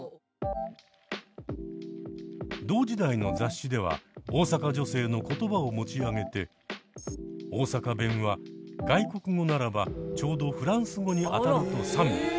同時代の雑誌では大阪女性の言葉を持ち上げて「大阪弁は外国語ならば丁度フランス語にあたる」と賛美。